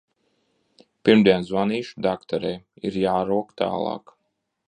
Pirmdien zvanīšu dakterei, ir jārok tālāk.